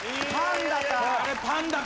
パンダか。